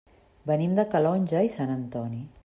Venim de Calonge i Sant Antoni.